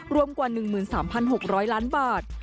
รวมกว่า๑๓๖๐๐ล้านบาท